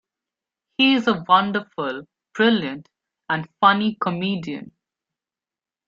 He is a wonderful, brilliant and funny comedian.